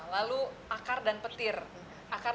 lalu akar dan petir